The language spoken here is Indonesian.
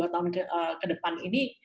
dua tahun ke depan ini